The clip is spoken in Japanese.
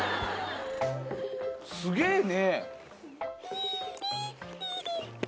すげぇね。